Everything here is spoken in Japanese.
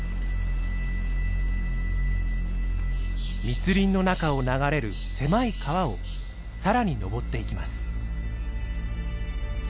密林の中を流れる狭い川をさらに上っていきます。